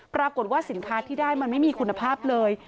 ปรากฏว่าสินค้าที่ได้มันไม่มีคุณภาพเลย